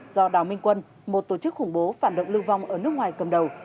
do đào minh quân một tổ chức khủng bố phản động lưu vong ở nước ngoài cầm đầu